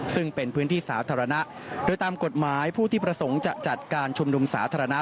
ซึ่งเป็นพื้นที่สาธารณะโดยตามกฎหมายผู้ที่ประสงค์จะจัดการชุมนุมสาธารณะ